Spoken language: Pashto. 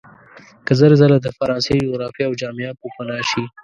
که زر ځله د فرانسې جغرافیه او جامعه پوپناه شي.